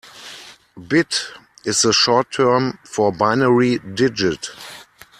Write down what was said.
Bit is the short term for binary digit.